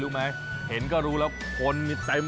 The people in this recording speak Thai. ปะกิ้มไข่เตาซิมหวานเจี๊ยบ